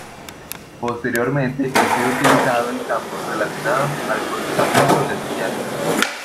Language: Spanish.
Posteriormente ha sido utilizado en campos relacionados al procesamiento de señales.